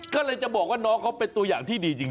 ก็เลยจะบอกว่าน้องเขาเป็นตัวอย่างที่ดีจริง